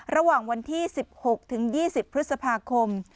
ระหว่างวันที่๑๖ถึง๒๐พฤษภาคม